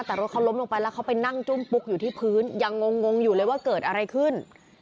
แต่รถเขาล้มลงไปแล้วเขาไปนั่งจุ้มปุ๊กอยู่ที่พื้นยังงงอยู่เลยว่าเกิดอะไรขึ้น